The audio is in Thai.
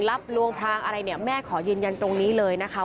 รับลวงพลางอะไรแม่ขอยืนยันตรงนี้เลยนะคะ